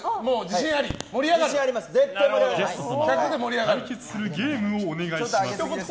ゲスト様、対決するゲームをお願いします。